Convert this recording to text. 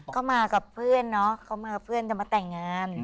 ก็มากับเพื่อนเนาะเขามากับเพื่อนจะมาแต่งงาน